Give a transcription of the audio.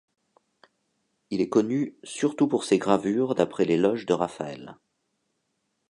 Il est connu surtout pour ses gravures d'après les Loges de Raphaël.